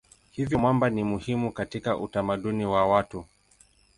Hivyo mwamba ni muhimu katika utamaduni wa watu.